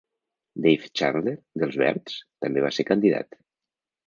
Dave Chandler, dels Verds, també va ser candidat.